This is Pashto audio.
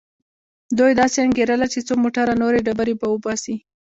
دوی داسې انګېرله چې څو موټره نورې ډبرې به وباسي.